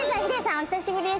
お久しぶりです。